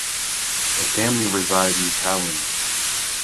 The family reside in Tallinn.